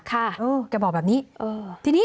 ค่ะแกบอกแบบนี้